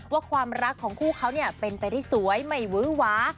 ความรักของคู่เขาเป็นไปได้สวยไม่วื้อหวา